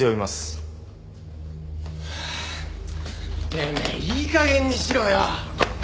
てめえいい加減にしろよ！